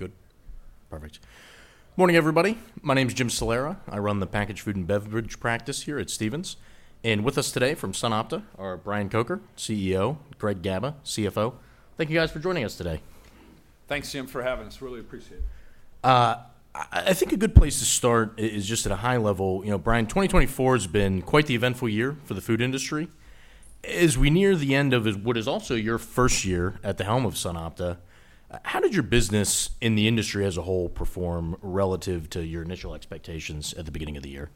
Good. Perfect. Morning, everybody. My name's Jim Salera. I run the Packaged Food and Beverage practice here at Stephens. And with us today from SunOpta are Brian Kocher, CEO; Greg Gaba, CFO. Thank you, guys, for joining us today. Thanks, Jim, for having us. Really appreciate it. I think a good place to start is just at a high level. Brian, 2024 has been quite the eventful year for the food industry. As we near the end of what is also your first year at the helm of SunOpta, how did your business in the industry as a whole perform relative to your initial expectations at the beginning of the year?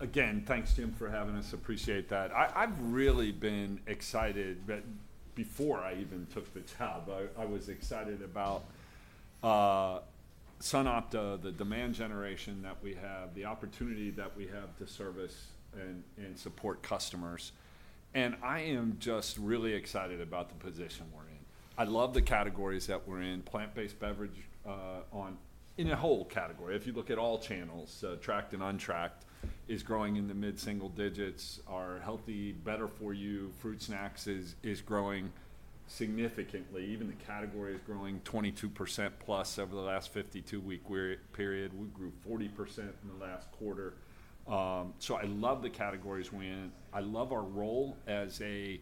Again, thanks, Jim, for having us. Appreciate that. I've really been excited before I even took the job. I was excited about SunOpta, the demand generation that we have, the opportunity that we have to service and support customers, and I am just really excited about the position we're in. I love the categories that we're in: plant-based beverage in the whole category. If you look at all channels, tracked and untracked is growing in the mid-single digits. Our healthy, better-for-you fruit snacks is growing significantly. Even the category is growing 22%+ over the last 52-week period. We grew 40% in the last quarter, so I love the categories we're in. I love our role as a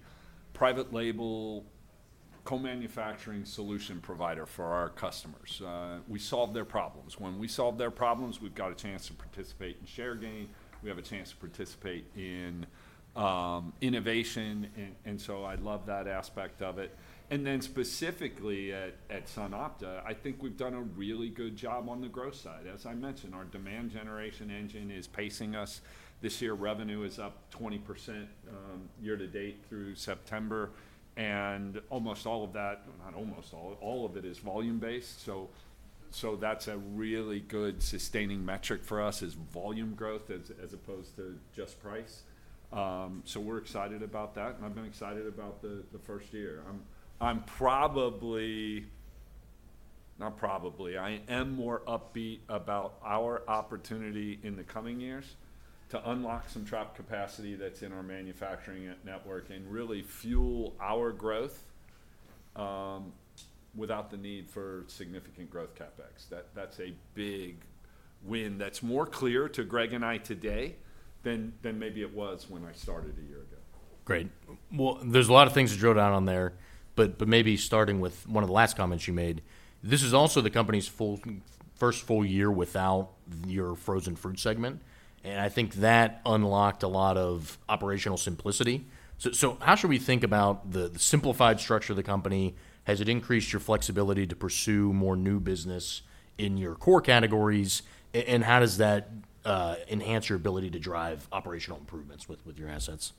private label co-manufacturing solution provider for our customers. We solve their problems. When we solve their problems, we've got a chance to participate in share gain. We have a chance to participate in innovation. And so I love that aspect of it. And then specifically at SunOpta, I think we've done a really good job on the growth side. As I mentioned, our demand generation engine is pacing us. This year, revenue is up 20% year-to-date through September. And almost all of that, not almost all, all of it, is volume-based. So that's a really good sustaining metric for us is volume growth as opposed to just price. So we're excited about that. And I've been excited about the first year. I'm probably, not probably, I am more upbeat about our opportunity in the coming years to unlock some trapped capacity that's in our manufacturing network and really fuel our growth without the need for significant growth CapEx. That's a big win that's more clear to Greg and I today than maybe it was when I started a year ago. Great. Well, there's a lot of things that drill down on there. But maybe starting with one of the last comments you made, this is also the company's first full year without your frozen fruit segment. And I think that unlocked a lot of operational simplicity. So how should we think about the simplified structure of the company? Has it increased your flexibility to pursue more new business in your core categories? And how does that enhance your ability to drive operational improvements with your assets?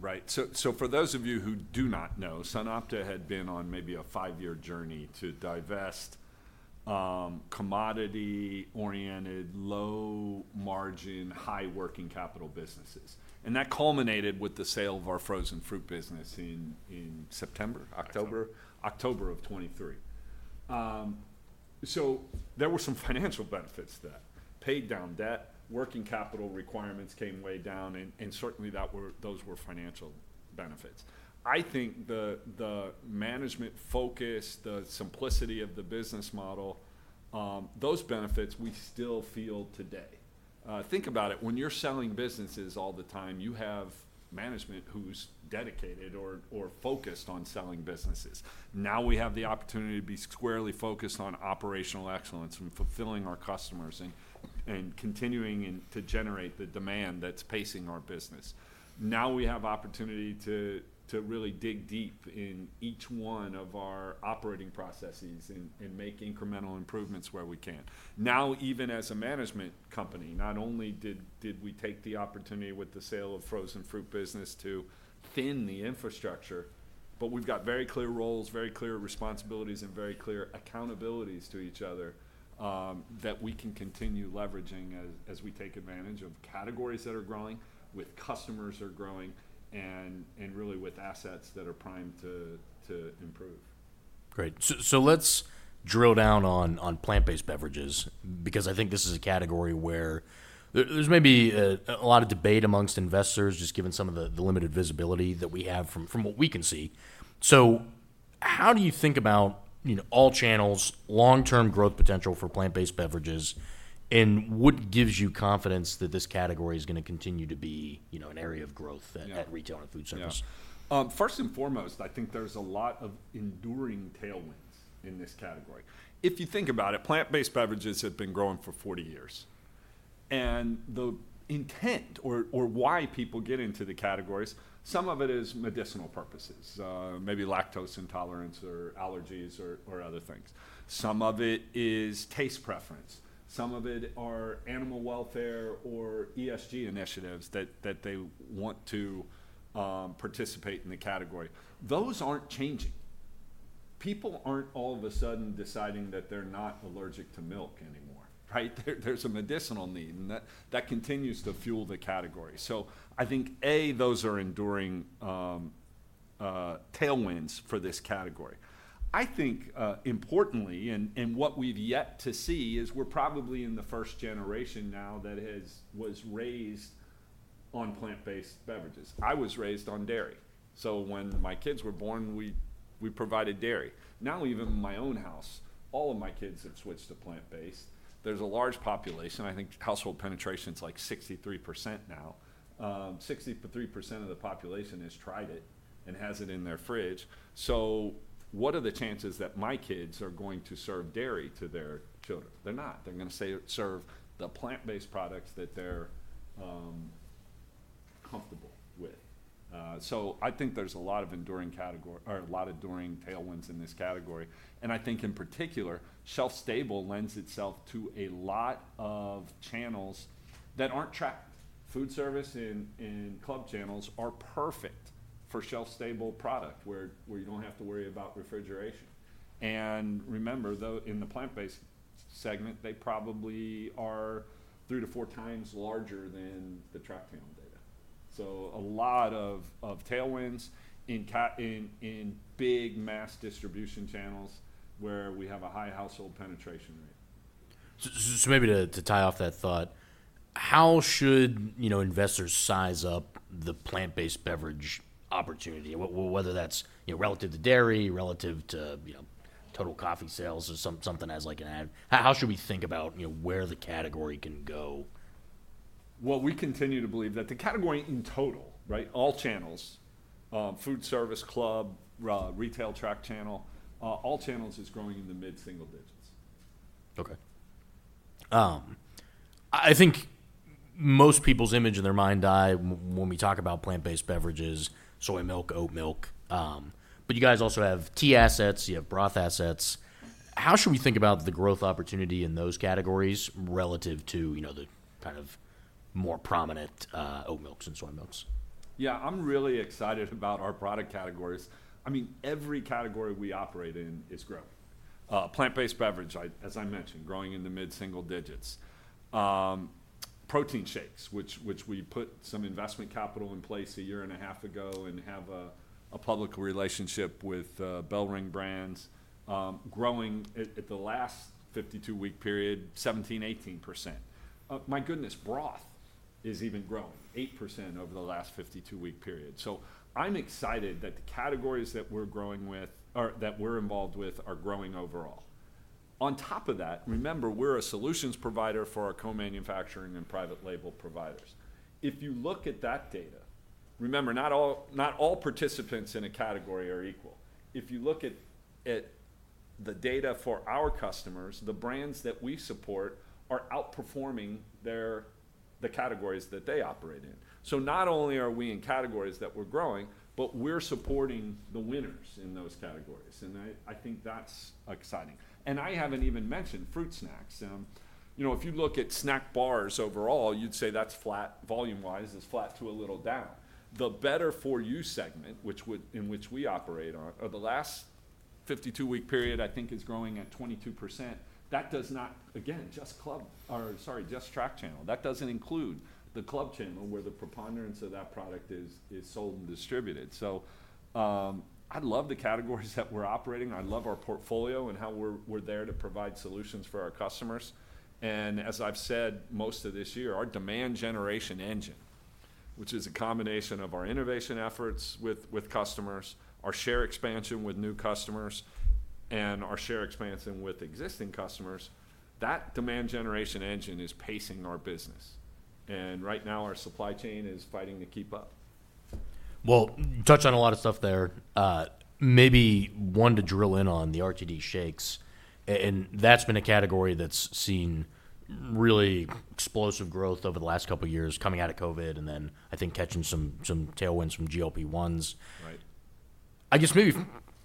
Right, so for those of you who do not know, SunOpta had been on maybe a five-year journey to divest commodity-oriented, low-margin, high-working capital businesses, and that culminated with the sale of our frozen fruit business in September, October of 2023, so there were some financial benefits to that. Paid down debt, working capital requirements came way down, and certainly, those were financial benefits. I think the management focus, the simplicity of the business model, those benefits we still feel today. Think about it. When you're selling businesses all the time, you have management who's dedicated or focused on selling businesses. Now we have the opportunity to be squarely focused on operational excellence and fulfilling our customers and continuing to generate the demand that's pacing our business. Now we have the opportunity to really dig deep in each one of our operating processes and make incremental improvements where we can. Now, even as a management company, not only did we take the opportunity with the sale of frozen fruit business to thin the infrastructure, but we've got very clear roles, very clear responsibilities, and very clear accountabilities to each other that we can continue leveraging as we take advantage of categories that are growing, with customers that are growing, and really with assets that are primed to improve. Great. So let's drill down on plant-based beverages because I think this is a category where there's maybe a lot of debate among investors, just given some of the limited visibility that we have from what we can see. So how do you think about all channels' long-term growth potential for plant-based beverages? And what gives you confidence that this category is going to continue to be an area of growth at retail and foodservice? Yeah. First and foremost, I think there's a lot of enduring tailwinds in this category. If you think about it, plant-based beverages have been growing for 40 years. And the intent or why people get into the categories, some of it is medicinal purposes, maybe lactose intolerance or allergies or other things. Some of it is taste preference. Some of it are animal welfare or ESG initiatives that they want to participate in the category. Those aren't changing. People aren't all of a sudden deciding that they're not allergic to milk anymore, right? There's a medicinal need. And that continues to fuel the category. So I think, A, those are enduring tailwinds for this category. I think, importantly, and what we've yet to see is we're probably in the first generation now that was raised on plant-based beverages. I was raised on dairy. So when my kids were born, we provided dairy. Now, even in my own house, all of my kids have switched to plant-based. There's a large population. I think household penetration is like 63% now. 63% of the population has tried it and has it in their fridge. So what are the chances that my kids are going to serve dairy to their children? They're not. They're going to serve the plant-based products that they're comfortable with. So I think there's a lot of enduring category or a lot of enduring tailwinds in this category. And I think, in particular, shelf-stable lends itself to a lot of channels that aren't tracked. Foodservice and club channels are perfect for shelf-stable product where you don't have to worry about refrigeration. And remember, though, in the plant-based segment, they probably are three to four times larger than the tracked channel data. So a lot of tailwinds in big mass distribution channels where we have a high household penetration rate. So maybe to tie off that thought, how should investors size up the plant-based beverage opportunity, whether that's relative to dairy, relative to total coffee sales or something else like an oat? How should we think about where the category can go? We continue to believe that the category in total, right, all channels, foodservice, club, retail, tracked channel, all channels is growing in the mid-single digits. Okay. I think most people's image in their mind dies when we talk about plant-based beverages, soy milk, oat milk. But you guys also have tea assets. You have broth assets. How should we think about the growth opportunity in those categories relative to the kind of more prominent oat milks and soy milks? Yeah. I'm really excited about our product categories. I mean, every category we operate in is growing. Plant-based beverage, as I mentioned, growing in the mid-single digits. Protein shakes, which we put some investment capital in place a year and a half ago and have a public relationship with BellRing Brands, growing at the last 52-week period, 17%-18%. My goodness, broth is even growing 8% over the last 52-week period. So I'm excited that the categories that we're growing with or that we're involved with are growing overall. On top of that, remember, we're a solutions provider for our co-manufacturing and private label providers. If you look at that data, remember, not all participants in a category are equal. If you look at the data for our customers, the brands that we support are outperforming the categories that they operate in. Not only are we in categories that we're growing, but we're supporting the winners in those categories. And I think that's exciting. And I haven't even mentioned fruit snacks. If you look at snack bars overall, you'd say that's flat volume-wise. It's flat to a little down. The better-for-you segment, in which we operate on, the last 52-week period, I think, is growing at 22%. That does not, again, just club or sorry, just tracked channel. That doesn't include the club channel where the preponderance of that product is sold and distributed. So I love the categories that we're operating. I love our portfolio and how we're there to provide solutions for our customers. And as I've said most of this year, our demand generation engine, which is a combination of our innovation efforts with customers, our share expansion with new customers, and our share expansion with existing customers, that demand generation engine is pacing our business. And right now, our supply chain is fighting to keep up. Touched on a lot of stuff there. Maybe one to drill in on the RTD shakes. That's been a category that's seen really explosive growth over the last couple of years coming out of COVID and then, I think, catching some tailwinds from GLP-1s. I guess maybe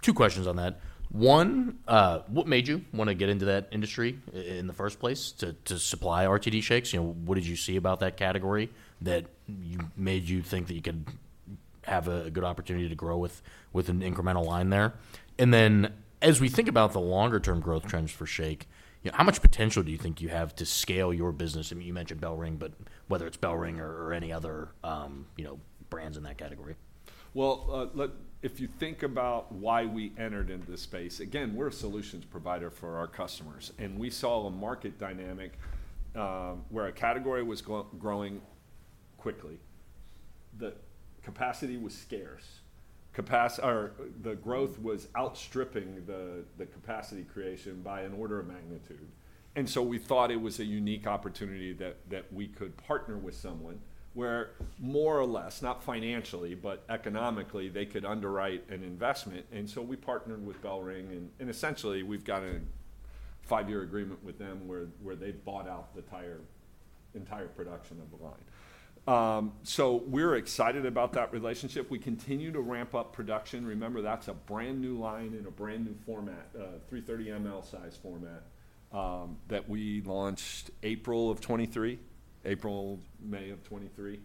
two questions on that. One, what made you want to get into that industry in the first place to supply RTD shakes? What did you see about that category that made you think that you could have a good opportunity to grow with an incremental line there? Then as we think about the longer-term growth trends for shake, how much potential do you think you have to scale your business? I mean, you mentioned BellRing, but whether it's BellRing or any other brands in that category. If you think about why we entered into this space, again, we're a solutions provider for our customers. We saw a market dynamic where a category was growing quickly. The capacity was scarce. The growth was outstripping the capacity creation by an order of magnitude. We thought it was a unique opportunity that we could partner with someone where more or less, not financially, but economically, they could underwrite an investment. We partnered with BellRing. Essentially, we've got a five-year agreement with them where they bought out the entire production of the line. We're excited about that relationship. We continue to ramp up production. Remember, that's a brand new line in a brand new format, a 330 mL size format that we launched April of 2023, April, May of 2023.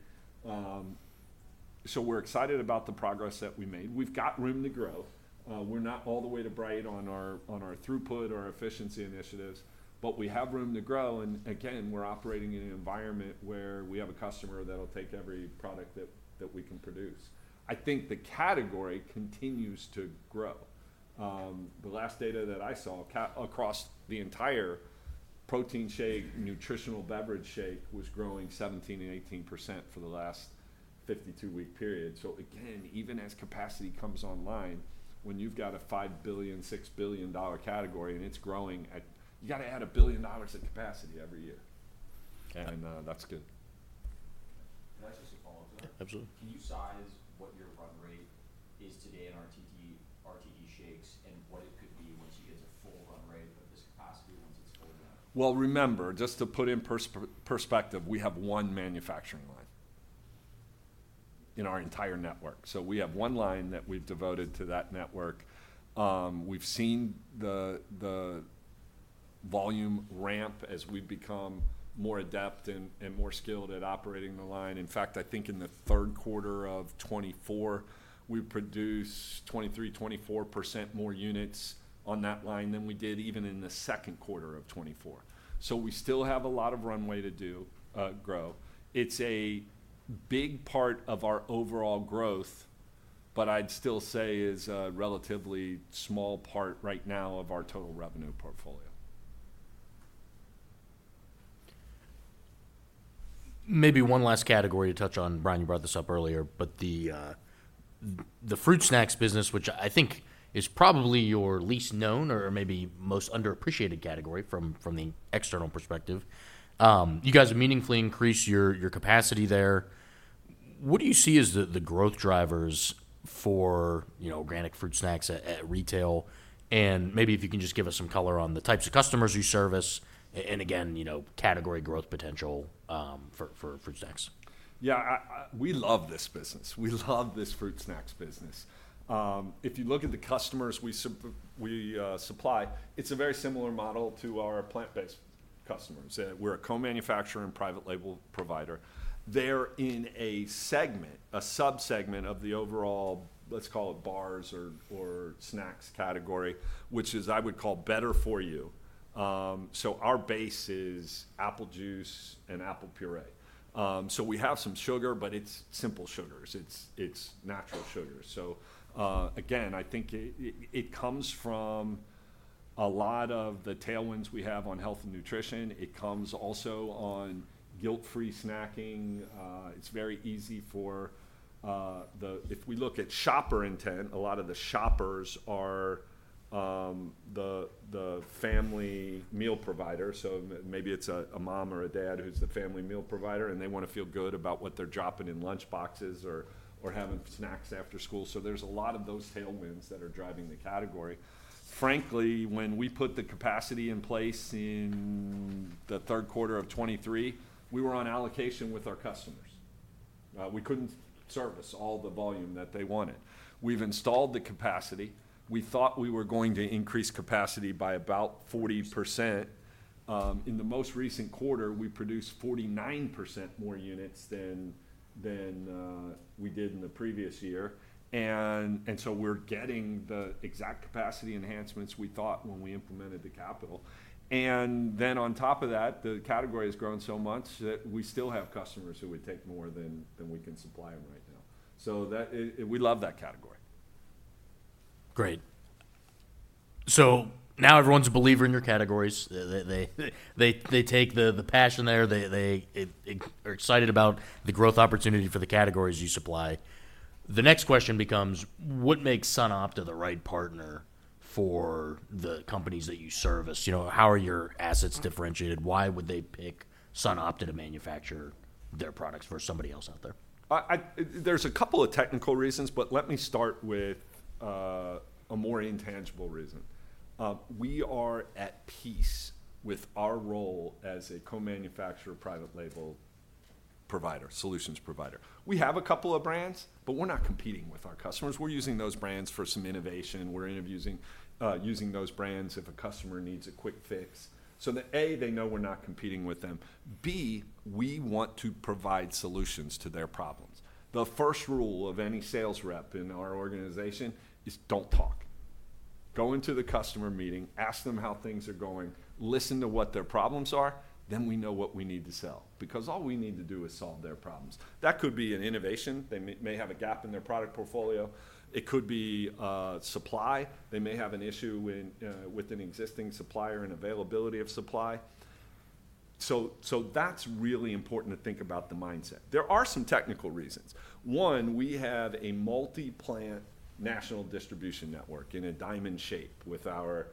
We're excited about the progress that we made. We've got room to grow. We're not all the way to right on our throughput or our efficiency initiatives, but we have room to grow. And again, we're operating in an environment where we have a customer that'll take every product that we can produce. I think the category continues to grow. The last data that I saw across the entire protein shake, nutritional beverage shake was growing 17%-18% for the last 52-week period. So again, even as capacity comes online, when you've got a $5 billion-$6 billion category and it's growing, you got to add $1 billion of capacity every year. And that's good. Can I just apologize? Absolutely. Can you size what your run rate is today in RTD shakes and what it could be once you get to full run rate of this capacity once it's fully run? Remember, just to put in perspective, we have one manufacturing line in our entire network. So we have one line that we've devoted to that network. We've seen the volume ramp as we become more adept and more skilled at operating the line. In fact, I think in the third quarter of 2024, we produced 23%-24% more units on that line than we did even in the second quarter of 2024. So we still have a lot of runway to grow. It's a big part of our overall growth, but I'd still say is a relatively small part right now of our total revenue portfolio. Maybe one last category to touch on. Brian, you brought this up earlier, but the fruit snacks business, which I think is probably your least known or maybe most underappreciated category from the external perspective. You guys have meaningfully increased your capacity there. What do you see as the growth drivers for organic fruit snacks at retail? And maybe if you can just give us some color on the types of customers you service and again, category growth potential for fruit snacks? Yeah. We love this business. We love this fruit snacks business. If you look at the customers we supply, it's a very similar model to our plant-based customers. We're a co-manufacturer and private label provider. They're in a segment, a subsegment of the overall, let's call it bars or snacks category, which is, I would call, better for you. So our base is apple juice and apple purée. So we have some sugar, but it's simple sugars. It's natural sugars. So again, I think it comes from a lot of the tailwinds we have on health and nutrition. It comes also on guilt-free snacking. It's very easy for the if we look at shopper intent. A lot of the shoppers are the family meal provider. So maybe it's a mom or a dad who's the family meal provider, and they want to feel good about what they're dropping in lunchboxes or having snacks after school. So there's a lot of those tailwinds that are driving the category. Frankly, when we put the capacity in place in the third quarter of 2023, we were on allocation with our customers. We couldn't service all the volume that they wanted. We've installed the capacity. We thought we were going to increase capacity by about 40%. In the most recent quarter, we produced 49% more units than we did in the previous year. And so we're getting the exact capacity enhancements we thought when we implemented the capital. And then on top of that, the category has grown so much that we still have customers who would take more than we can supply them right now. We love that category. Great. So now everyone's a believer in your categories. They take the passion there. They are excited about the growth opportunity for the categories you supply. The next question becomes, what makes SunOpta the right partner for the companies that you service? How are your assets differentiated? Why would they pick SunOpta to manufacture their products for somebody else out there? There's a couple of technical reasons, but let me start with a more intangible reason. We are at peace with our role as a co-manufacturer, private label provider, solutions provider. We have a couple of brands, but we're not competing with our customers. We're using those brands for some innovation. We're using those brands if a customer needs a quick fix. So that, A, they know we're not competing with them. B, we want to provide solutions to their problems. The first rule of any sales rep in our organization is don't talk. Go into the customer meeting, ask them how things are going, listen to what their problems are, then we know what we need to sell because all we need to do is solve their problems. That could be an innovation. They may have a gap in their product portfolio. It could be supply. They may have an issue with an existing supplier and availability of supply, so that's really important to think about the mindset. There are some technical reasons. One, we have a multi-plant national distribution network in a diamond shape with our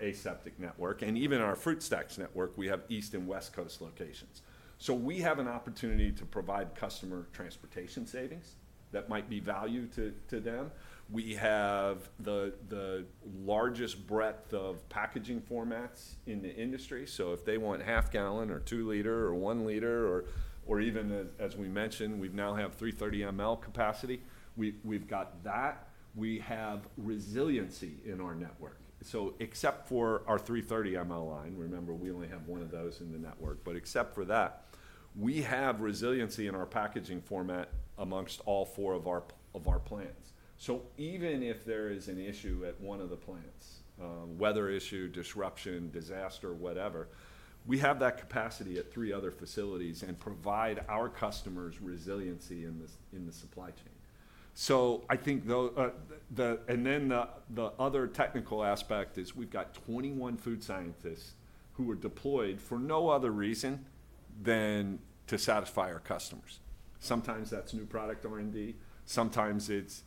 aseptic network, and even our fruit snacks network, we have East Coast and West Coast locations, so we have an opportunity to provide customer transportation savings that might be value to them. We have the largest breadth of packaging formats in the industry, so if they want half gallon or two liter or one liter or even, as we mentioned, we now have 330 mL capacity. We've got that. We have resiliency in our network, so except for our 330 mL line, remember, we only have one of those in the network, but except for that, we have resiliency in our packaging format amongst all four of our plants. So even if there is an issue at one of the plants, weather issue, disruption, disaster, whatever, we have that capacity at three other facilities and provide our customers resiliency in the supply chain. So I think and then the other technical aspect is we've got 21 food scientists who are deployed for no other reason than to satisfy our customers. Sometimes that's new product R&D. Sometimes it's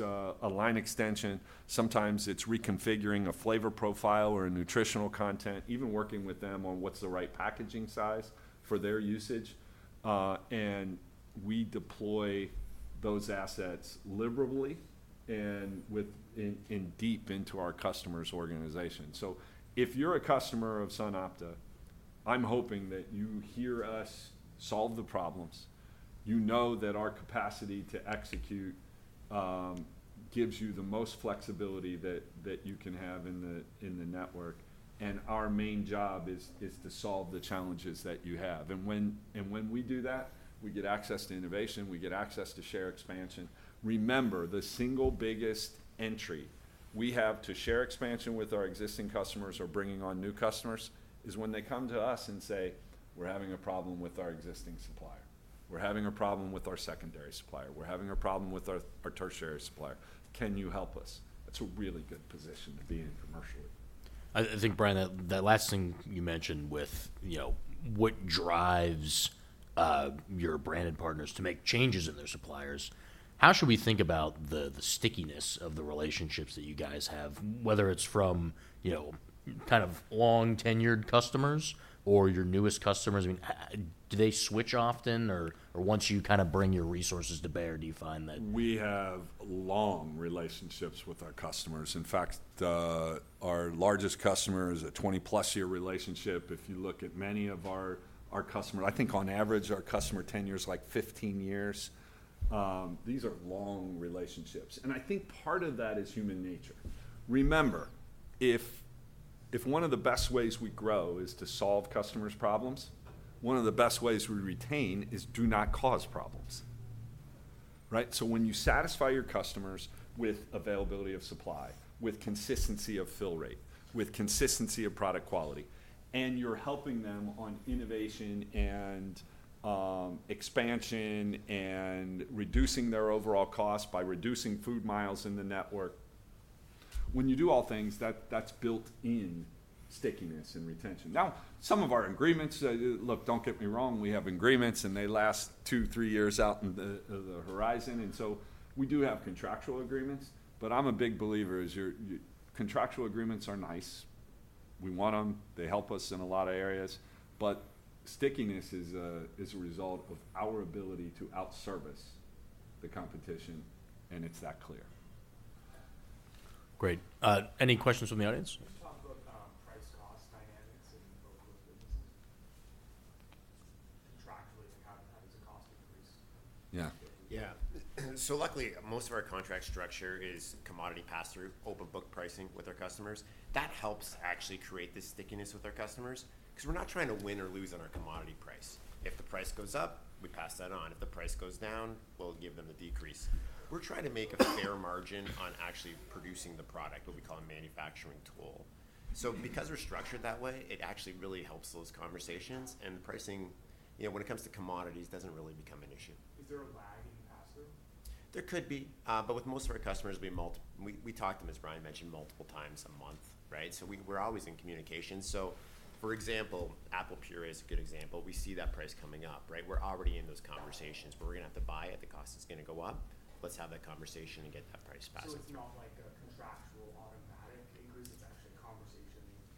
a line extension. Sometimes it's reconfiguring a flavor profile or a nutritional content, even working with them on what's the right packaging size for their usage. And we deploy those assets liberally and deep into our customers' organizations. So if you're a customer of SunOpta, I'm hoping that you hear us solve the problems. You know that our capacity to execute gives you the most flexibility that you can have in the network. Our main job is to solve the challenges that you have. When we do that, we get access to innovation. We get access to share expansion. Remember, the single biggest entry we have to share expansion with our existing customers or bringing on new customers is when they come to us and say, "We're having a problem with our existing supplier. We're having a problem with our secondary supplier. We're having a problem with our tertiary supplier. Can you help us?" That's a really good position to be in commercially. I think, Brian, that last thing you mentioned with what drives your branded partners to make changes in their suppliers, how should we think about the stickiness of the relationships that you guys have, whether it's from kind of long-tenured customers or your newest customers? I mean, do they switch often or once you kind of bring your resources to bear, do you find that? We have long relationships with our customers. In fact, our largest customer is a 20+ year relationship. If you look at many of our customers, I think on average, our customer tenure is like 15 years. These are long relationships. And I think part of that is human nature. Remember, if one of the best ways we grow is to solve customers' problems, one of the best ways we retain is do not cause problems. Right? So when you satisfy your customers with availability of supply, with consistency of fill rate, with consistency of product quality, and you're helping them on innovation and expansion and reducing their overall cost by reducing food miles in the network, when you do all things, that's built-in stickiness and retention. Now, some of our agreements, look, don't get me wrong, we have agreements and they last two, three years out in the horizon. And so we do have contractual agreements, but I'm a big believer that your contractual agreements are nice. We want them. They help us in a lot of areas. But stickiness is a result of our ability to out-service the competition, and it's that clear. Great. Any questions from the audience? Can you talk about price-cost dynamics in both of those businesses? Contractually, how does the cost increase? Yeah. Yeah. So luckily, most of our contract structure is commodity pass-through, open-book pricing with our customers. That helps actually create the stickiness with our customers because we're not trying to win or lose on our commodity price. If the price goes up, we pass that on. If the price goes down, we'll give them a decrease. We're trying to make a fair margin on actually producing the product, what we call a manufacturing toll. So because we're structured that way, it actually really helps those conversations. And pricing, when it comes to commodities, doesn't really become an issue. Is there a lag in pass-through? There could be. But with most of our customers, we talk to them, as Brian mentioned, multiple times a month, right? So we're always in communication. So for example, apple purée is a good example. We see that price coming up, right? We're already in those conversations where we're going to have to buy it. The cost is going to go up. Let's have that conversation and get that price pass-through. So it's not like a contractual automatic increase. It's actually a conversation?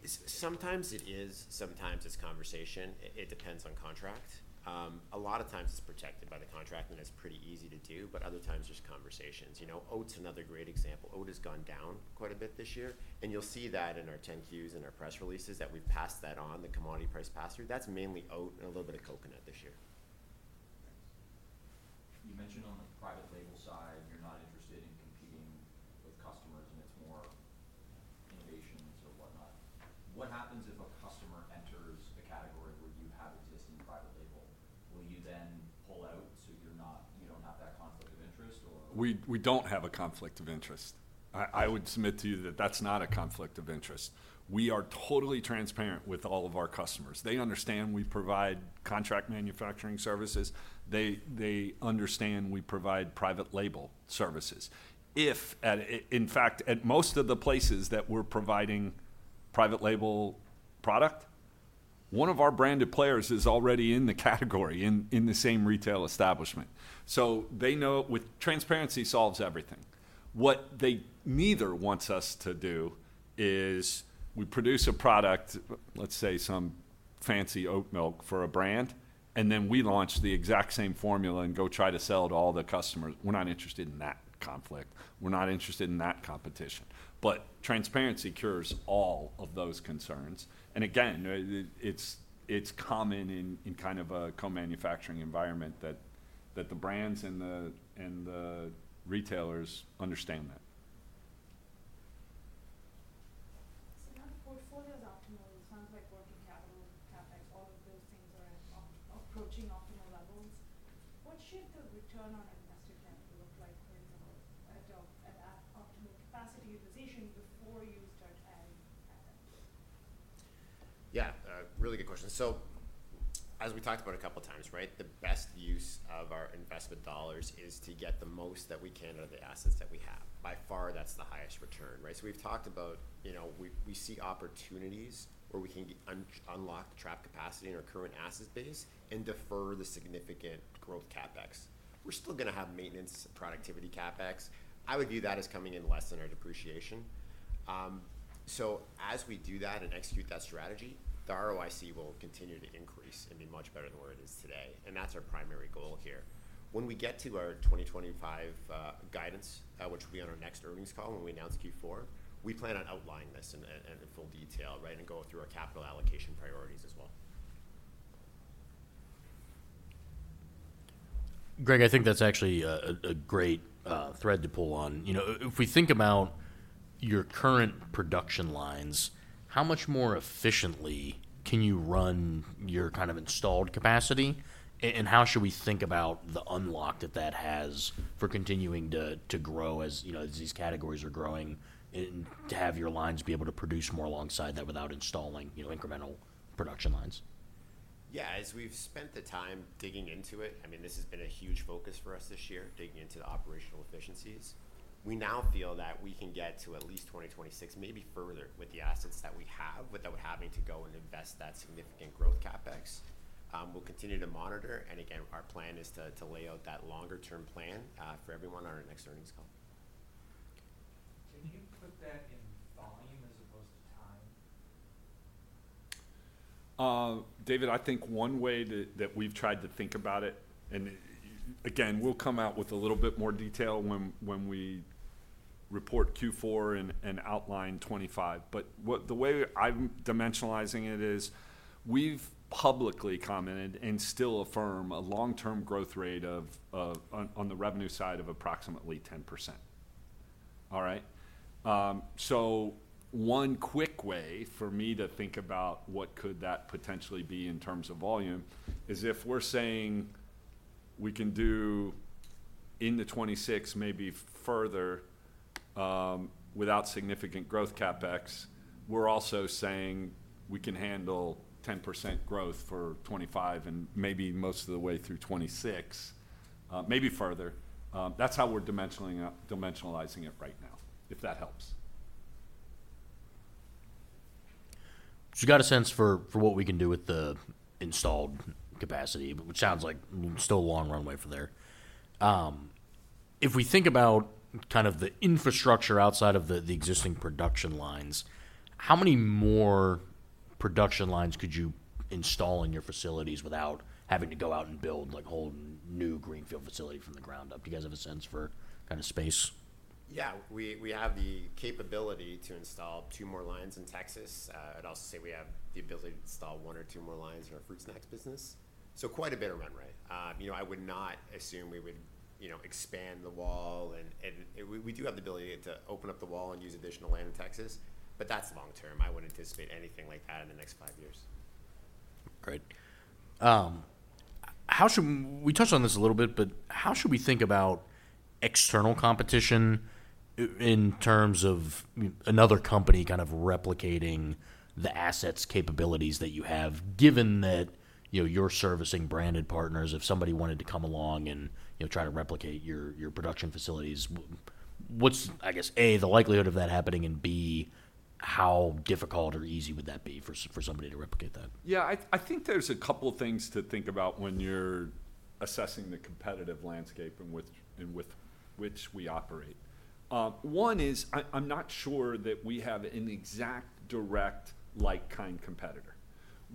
Sometimes it is. Sometimes it's conversation. It depends on contract. A lot of times it's protected by the contract, and it's pretty easy to do, but other times, there's conversations. Oats is another great example. Oat has gone down quite a bit this year, and you'll see that in our 10-Qs and our press releases that we've passed that on, the commodity price pass-through. That's mainly oat and a little bit of coconut this year. Thanks. You mentioned on the private label side, you're not interested in competing with customers, and it's more innovations or whatnot. What happens if a customer enters a category where you have existing private label? Will you then pull out so you don't have that conflict of interest, or? We don't have a conflict of interest. I would submit to you that that's not a conflict of interest. We are totally transparent with all of our customers. They understand we provide contract manufacturing services. They understand we provide private label services. In fact, at most of the places that we're providing private label product, one of our branded players is already in the category in the same retail establishment. So they know transparency solves everything. What they neither want us to do is we produce a product, let's say some fancy oat milk for a brand, and then we launch the exact same formula and go try to sell it to all the customers. We're not interested in that conflict. We're not interested in that competition. But transparency cures all of those concerns. Again, it's common in kind of a co-manufacturing environment that the brands and the retailers understand that. So now the portfolio is optimal. It sounds like working capital, CapEx, all of those things are approaching optimal levels. What should the return on invested capital look like at that optimal capacity utilization before you start adding CapEx? Yeah. Really good question. So as we talked about a couple of times, right, the best use of our investment dollars is to get the most that we can out of the assets that we have. By far, that's the highest return, right? So we've talked about we see opportunities where we can unlock the trapped capacity in our current asset base and defer the significant growth CapEx. We're still going to have maintenance productivity CapEx. I would view that as coming in less than our depreciation. So as we do that and execute that strategy, the ROIC will continue to increase and be much better than where it is today. And that's our primary goal here. When we get to our 2025 guidance, which will be on our next earnings call when we announce Q4, we plan on outlining this in full detail, right, and going through our capital allocation priorities as well. Greg, I think that's actually a great thread to pull on. If we think about your current production lines, how much more efficiently can you run your kind of installed capacity? And how should we think about the unlock that that has for continuing to grow as these categories are growing and to have your lines be able to produce more alongside that without installing incremental production lines? Yeah. As we've spent the time digging into it, I mean, this has been a huge focus for us this year, digging into the operational efficiencies. We now feel that we can get to at least 2026, maybe further, with the assets that we have without having to go and invest that significant growth CapEx. We'll continue to monitor, and again, our plan is to lay out that longer-term plan for everyone on our next earnings call. Can you put that in volume as opposed to time? David, I think one way that we've tried to think about it, and again, we'll come out with a little bit more detail when we report Q4 and outline 2025. But the way I'm dimensionalizing it is we've publicly commented and still affirm a long-term growth rate on the revenue side of approximately 10%. All right? So one quick way for me to think about what could that potentially be in terms of volume is if we're saying we can do in 2026, maybe further without significant growth CapEx, we're also saying we can handle 10% growth for 2025 and maybe most of the way through 2026, maybe further. That's how we're dimensionalizing it right now, if that helps. So you've got a sense for what we can do with the installed capacity, which sounds like still a long runway from there. If we think about kind of the infrastructure outside of the existing production lines, how many more production lines could you install in your facilities without having to go out and build a whole new greenfield facility from the ground up? Do you guys have a sense for kind of space? Yeah. We have the capability to install two more lines in Texas. I'd also say we have the ability to install one or two more lines in our fruit snacks business. So quite a bit of runway. I would not assume we would expand the wall. And we do have the ability to open up the wall and use additional land in Texas. But that's long-term. I wouldn't anticipate anything like that in the next five years. Great. We touched on this a little bit, but how should we think about external competition in terms of another company kind of replicating the asset capabilities that you have, given that you're servicing branded partners? If somebody wanted to come along and try to replicate your production facilities, what's, I guess, A, the likelihood of that happening and B, how difficult or easy would that be for somebody to replicate that? Yeah. I think there's a couple of things to think about when you're assessing the competitive landscape in which we operate. One is I'm not sure that we have an exact direct like-kind competitor.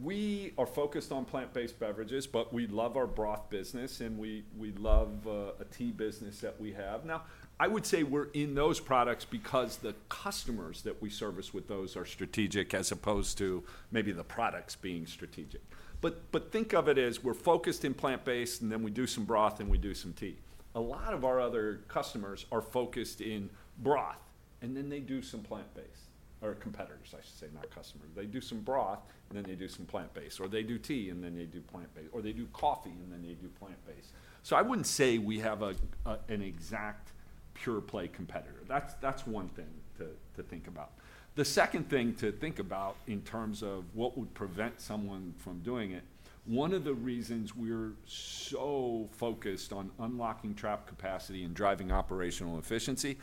We are focused on plant-based beverages, but we love our broth business and we love a tea business that we have. Now, I would say we're in those products because the customers that we service with those are strategic as opposed to maybe the products being strategic. But think of it as we're focused in plant-based and then we do some broth and we do some tea. A lot of our other customers are focused in broth and then they do some plant-based. Or competitors, I should say, not customers. They do some broth and then they do some plant-based. Or they do tea and then they do plant-based. Or they do coffee and then they do plant-based. So I wouldn't say we have an exact pure-play competitor. That's one thing to think about. The second thing to think about in terms of what would prevent someone from doing it, one of the reasons we're so focused on unlocking plant capacity and driving operational efficiency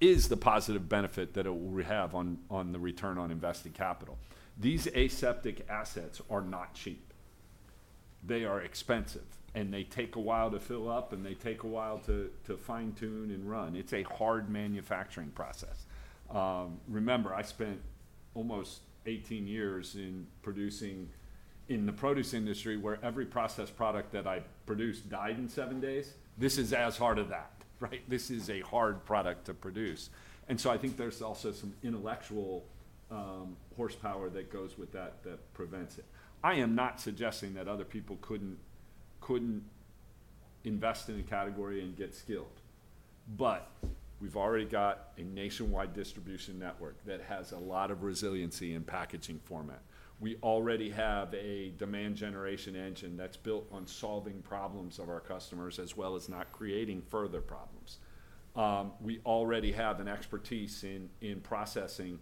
is the positive benefit that it will have on the return on invested capital. These aseptic assets are not cheap. They are expensive and they take a while to fill up and they take a while to fine-tune and run. It's a hard manufacturing process. Remember, I spent almost 18 years in the produce industry where every processed product that I produced died in seven days. This is as hard as that, right? This is a hard product to produce. And so I think there's also some intellectual horsepower that goes with that that prevents it. I am not suggesting that other people couldn't invest in a category and get skilled. But we've already got a nationwide distribution network that has a lot of resiliency in packaging format. We already have a demand generation engine that's built on solving problems of our customers as well as not creating further problems. We already have an expertise in processing,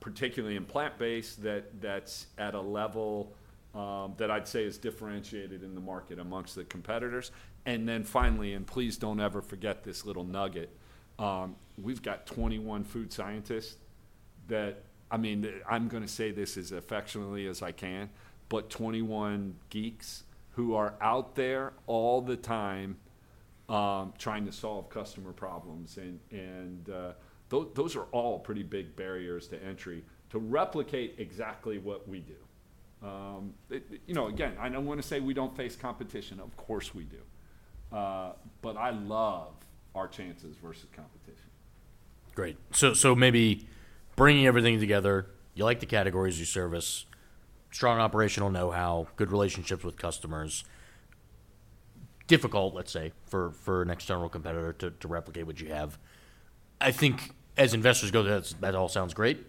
particularly in plant-based, that's at a level that I'd say is differentiated in the market amongst the competitors. And then finally, and please don't ever forget this little nugget, we've got 21 food scientists that, I mean, I'm going to say this as affectionately as I can, but 21 geeks who are out there all the time trying to solve customer problems. And those are all pretty big barriers to entry to replicate exactly what we do. Again, I don't want to say we don't face competition. Of course we do. But I love our chances versus competition. Great. So maybe bringing everything together, you like the categories you service, strong operational know-how, good relationships with customers. Difficult, let's say, for an external competitor to replicate what you have. I think as investors go, that all sounds great.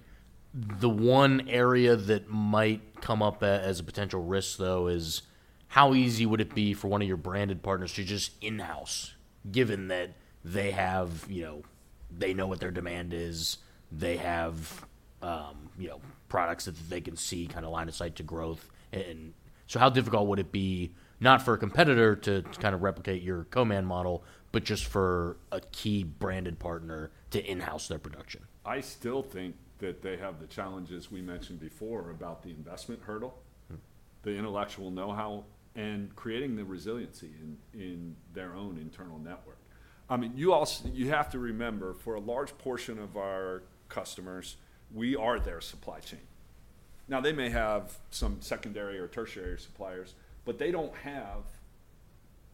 The one area that might come up as a potential risk, though, is how easy would it be for one of your branded partners to just in-house, given that they know what their demand is, they have products that they can see kind of line of sight to growth. And so how difficult would it be, not for a competitor to kind of replicate your co-man model, but just for a key branded partner to in-house their production? I still think that they have the challenges we mentioned before about the investment hurdle, the intellectual know-how, and creating the resiliency in their own internal network. I mean, you have to remember for a large portion of our customers, we are their supply chain. Now, they may have some secondary or tertiary suppliers, but they don't have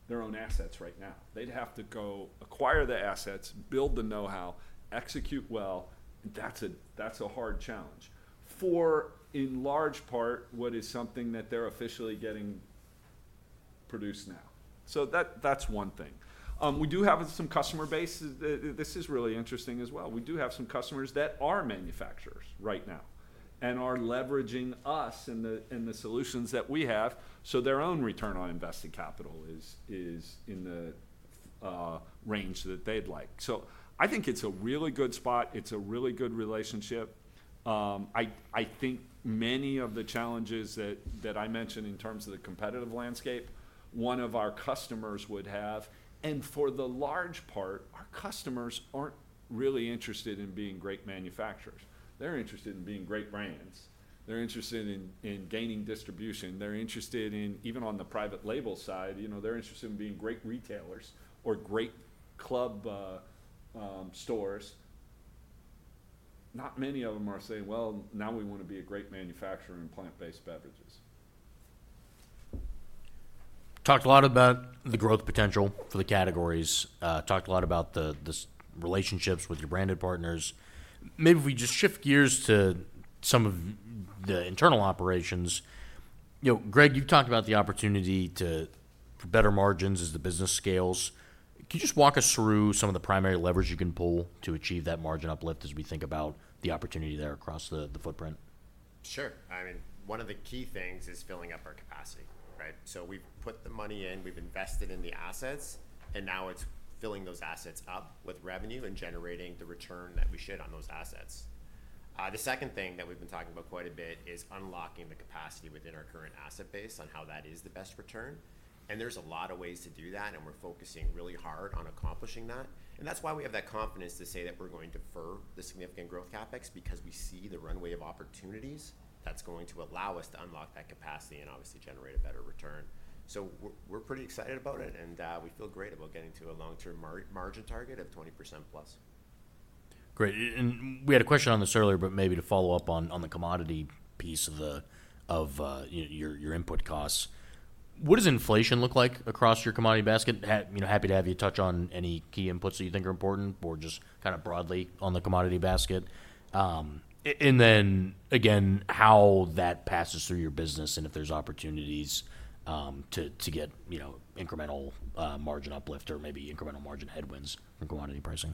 their own assets right now. They'd have to go acquire the assets, build the know-how, execute well. And that's a hard challenge for, in large part, what is something that they're officially getting produced now. So that's one thing. We do have some customer bases. This is really interesting as well. We do have some customers that are manufacturers right now and are leveraging us and the solutions that we have. So their own return on invested capital is in the range that they'd like. So I think it's a really good spot. It's a really good relationship. I think many of the challenges that I mentioned in terms of the competitive landscape, one of our customers would have. And for the large part, our customers aren't really interested in being great manufacturers. They're interested in being great brands. They're interested in gaining distribution. They're interested in, even on the private label side, they're interested in being great retailers or great club stores. Not many of them are saying, "Well, now we want to be a great manufacturer in plant-based beverages. Talked a lot about the growth potential for the categories. Talked a lot about the relationships with your branded partners. Maybe if we just shift gears to some of the internal operations. Greg, you've talked about the opportunity for better margins as the business scales. Can you just walk us through some of the primary levers you can pull to achieve that margin uplift as we think about the opportunity there across the footprint? Sure. I mean, one of the key things is filling up our capacity, right? So we've put the money in, we've invested in the assets, and now it's filling those assets up with revenue and generating the return that we should on those assets. The second thing that we've been talking about quite a bit is unlocking the capacity within our current asset base on how that is the best return. And there's a lot of ways to do that, and we're focusing really hard on accomplishing that. And that's why we have that confidence to say that we're going to defer the significant growth CapEx because we see the runway of opportunities that's going to allow us to unlock that capacity and obviously generate a better return. So we're pretty excited about it, and we feel great about getting to a long-term margin target of 20%+. Great, and we had a question on this earlier, but maybe to follow up on the commodity piece of your input costs. What does inflation look like across your commodity basket? Happy to have you touch on any key inputs that you think are important or just kind of broadly on the commodity basket. And then again, how that passes through your business and if there's opportunities to get incremental margin uplift or maybe incremental margin headwinds from commodity pricing.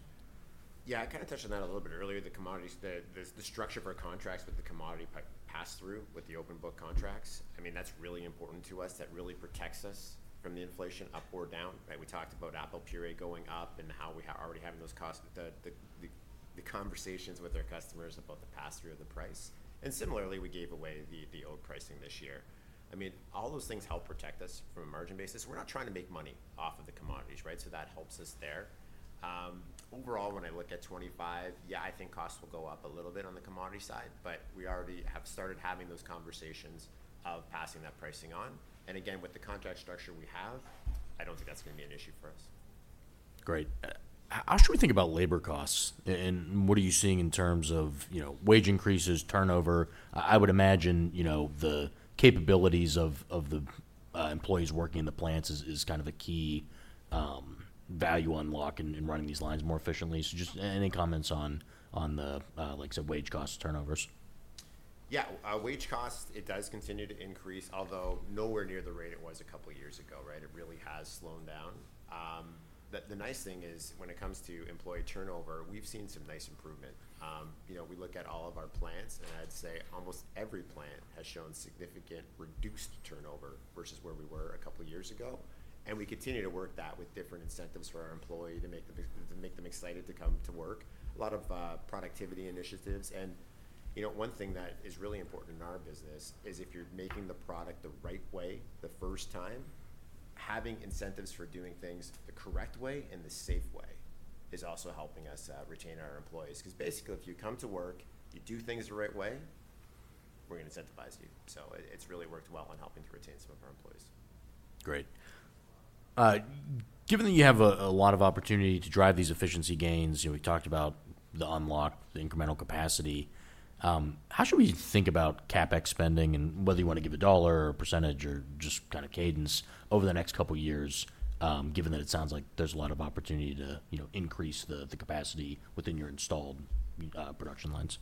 Yeah. I kind of touched on that a little bit earlier. The structure of our contracts with the commodity pass-through, with the open book contracts, I mean, that's really important to us. That really protects us from the inflation up or down. We talked about apple purée going up and how we are already having those costs, the conversations with our customers about the pass-through of the price. And similarly, we gave away the old pricing this year. I mean, all those things help protect us from a margin basis. We're not trying to make money off of the commodities, right? So that helps us there. Overall, when I look at 2025, yeah, I think costs will go up a little bit on the commodity side, but we already have started having those conversations of passing that pricing on. Again, with the contract structure we have, I don't think that's going to be an issue for us. Great. How should we think about labor costs and what are you seeing in terms of wage increases, turnover? I would imagine the capabilities of the employees working in the plants is kind of a key value unlock in running these lines more efficiently. So just any comments on the, like I said, wage costs, turnovers? Yeah. Wage costs, it does continue to increase, although nowhere near the rate it was a couple of years ago, right? It really has slowed down. The nice thing is when it comes to employee turnover, we've seen some nice improvement. We look at all of our plants, and I'd say almost every plant has shown significant reduced turnover versus where we were a couple of years ago. And we continue to work that with different incentives for our employee to make them excited to come to work, a lot of productivity initiatives. And one thing that is really important in our business is if you're making the product the right way the first time, having incentives for doing things the correct way and the safe way is also helping us retain our employees. Because basically, if you come to work, you do things the right way, we're going to incentivize you. So it's really worked well in helping to retain some of our employees. Great. Given that you have a lot of opportunity to drive these efficiency gains, we talked about the unlock, the incremental capacity. How should we think about CapEx spending and whether you want to give a dollar or a percentage or just kind of cadence over the next couple of years, given that it sounds like there's a lot of opportunity to increase the capacity within your installed production lines?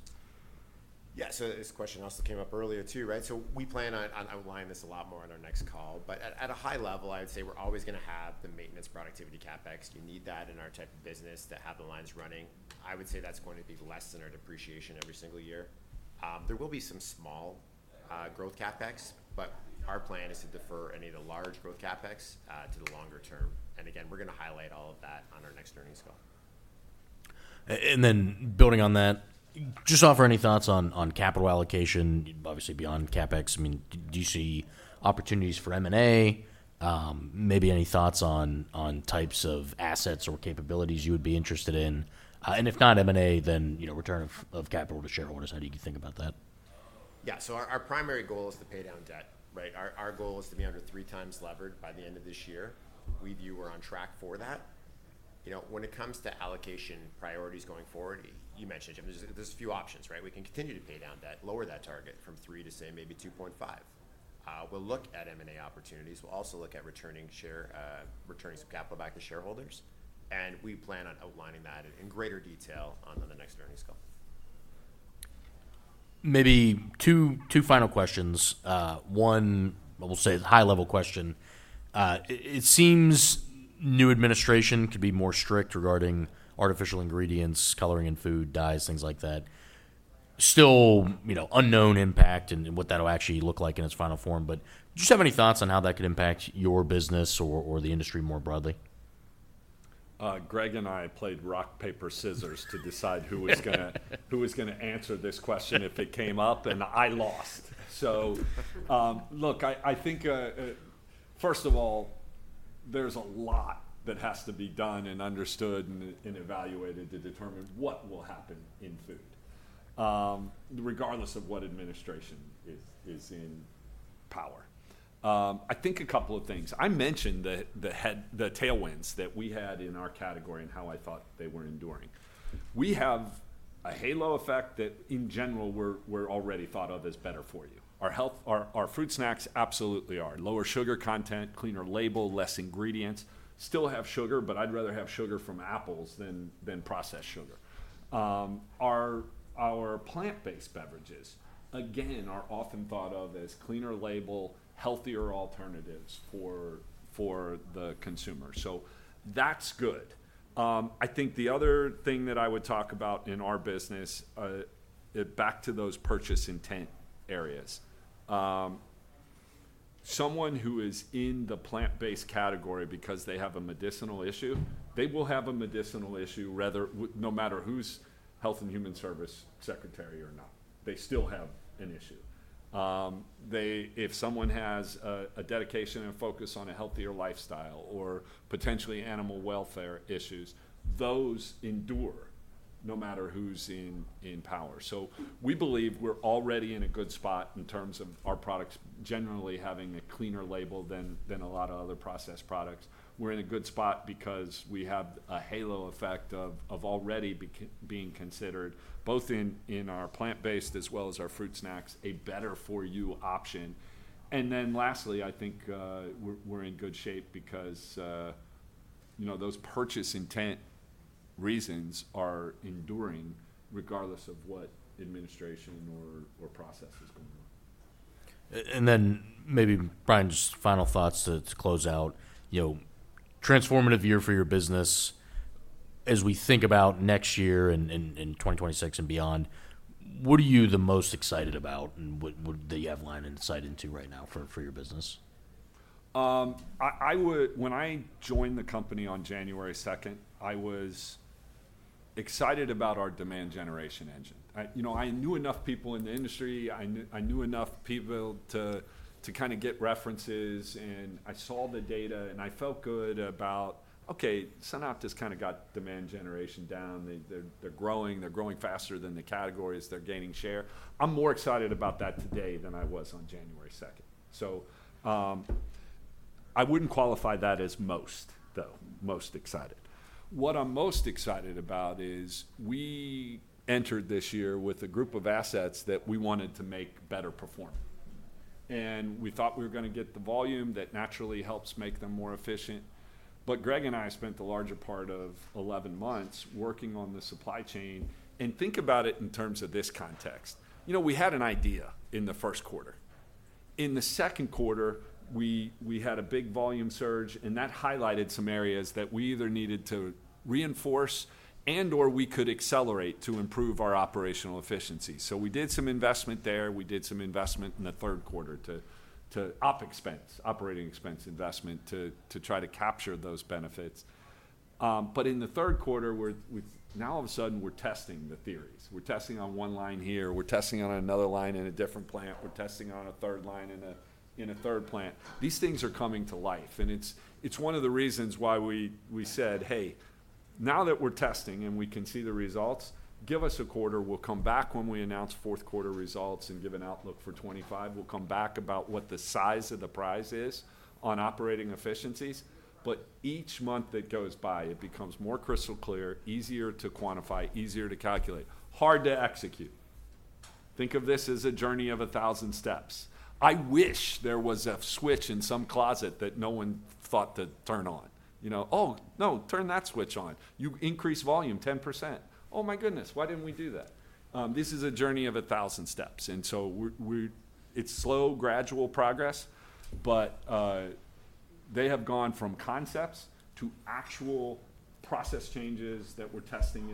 Yeah. So this question also came up earlier too, right? So we plan on outlining this a lot more on our next call. But at a high level, I would say we're always going to have the maintenance productivity CapEx. You need that in our type of business to have the lines running. I would say that's going to be less than our depreciation every single year. There will be some small growth CapEx, but our plan is to defer any of the large growth CapEx to the longer term. And again, we're going to highlight all of that on our next earnings call. And then building on that, just offer any thoughts on capital allocation, obviously beyond CapEx. I mean, do you see opportunities for M&A? Maybe any thoughts on types of assets or capabilities you would be interested in? And if not M&A, then return of capital to shareholders, how do you think about that? Yeah. So our primary goal is to pay down debt, right? Our goal is to be under three times levered by the end of this year. We view we're on track for that. When it comes to allocation priorities going forward, you mentioned it. There's a few options, right? We can continue to pay down debt, lower that target from three to say maybe 2.5. We'll look at M&A opportunities. We'll also look at returning some capital back to shareholders. And we plan on outlining that in greater detail on the next earnings call. Maybe two final questions. One, I will say a high-level question. It seems new administration could be more strict regarding artificial ingredients, coloring in food, dyes, things like that. Still unknown impact and what that will actually look like in its final form. But do you just have any thoughts on how that could impact your business or the industry more broadly? Greg and I played rock, paper, scissors to decide who was going to answer this question if it came up, and I lost. So look, I think, first of all, there's a lot that has to be done and understood and evaluated to determine what will happen in food, regardless of what administration is in power. I think a couple of things. I mentioned the tailwinds that we had in our category and how I thought they were enduring. We have a halo effect that in general we're already thought of as better for you. Our fruit snacks absolutely are. Lower sugar content, cleaner label, less ingredients. Still have sugar, but I'd rather have sugar from apples than processed sugar. Our plant-based beverages, again, are often thought of as cleaner label, healthier alternatives for the consumer. So that's good. I think the other thing that I would talk about in our business, back to those purchase intent areas, someone who is in the plant-based category because they have a medicinal issue, they will have a medicinal issue no matter who's Health and Human Services Secretary or not. They still have an issue. If someone has a dedication and focus on a healthier lifestyle or potentially animal welfare issues, those endure no matter who's in power. So we believe we're already in a good spot in terms of our products generally having a cleaner label than a lot of other processed products. We're in a good spot because we have a halo effect of already being considered, both in our plant-based as well as our fruit snacks, a better-for-you option. And then lastly, I think we're in good shape because those purchase intent reasons are enduring regardless of what administration or process is going on. And then maybe Brian's final thoughts to close out. Transformative year for your business. As we think about next year and 2026 and beyond, what are you the most excited about and that you have line-of-sight insight into right now for your business? When I joined the company on January 2nd, I was excited about our demand generation engine. I knew enough people in the industry. I knew enough people to kind of get references. And I saw the data and I felt good about, "Okay, SunOpta has kind of got demand generation down. They're growing. They're growing faster than the categories. They're gaining share." I'm more excited about that today than I was on January 2nd. So I wouldn't qualify that as most, though, most excited. What I'm most excited about is we entered this year with a group of assets that we wanted to make better perform. And we thought we were going to get the volume that naturally helps make them more efficient. But Greg and I spent the larger part of 11 months working on the supply chain. And think about it in terms of this context. We had an idea in the first quarter. In the second quarter, we had a big volume surge, and that highlighted some areas that we either needed to reinforce and/or we could accelerate to improve our operational efficiency. So we did some investment there. We did some investment in the third quarter to operating expense investment to try to capture those benefits. But in the third quarter, now all of a sudden we're testing the theories. We're testing on one line here. We're testing on another line in a different plant. We're testing on a third line in a third plant. These things are coming to life. And it's one of the reasons why we said, "Hey, now that we're testing and we can see the results, give us a quarter. We'll come back when we announce fourth quarter results and give an outlook for 2025. We'll come back about what the size of the prize is on operating efficiencies. But each month that goes by, it becomes more crystal clear, easier to quantify, easier to calculate, hard to execute. Think of this as a journey of a thousand steps. I wish there was a switch in some closet that no one thought to turn on. "Oh, no, turn that switch on. You increase volume 10%." "Oh, my goodness, why didn't we do that?" This is a journey of a thousand steps. And so it's slow, gradual progress, but they have gone from concepts to actual process changes that we're testing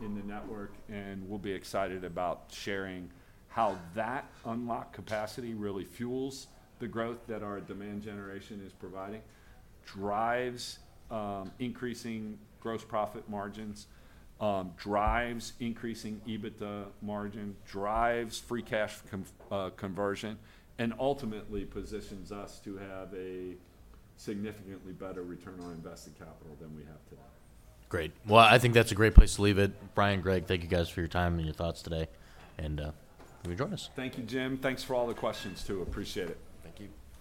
in the network. We'll be excited about sharing how that unlocking capacity really fuels the growth that our demand generation is providing, drives increasing gross profit margins, drives increasing EBITDA margin, drives free cash conversion, and ultimately positions us to have a significantly better return on invested capital than we have today. Great. Well, I think that's a great place to leave it. Brian and Greg, thank you guys for your time and your thoughts today. And thanks for joining us. Thank you, Jim. Thanks for all the questions too. Appreciate it. Thank you.